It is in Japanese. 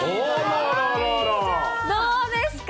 どうですか？